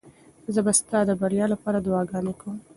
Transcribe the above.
زه به ستا د بریا لپاره دعاګانې کوم.